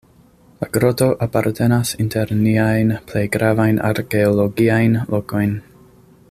La groto apartenas inter niajn plej gravajn arkeologiajn lokojn.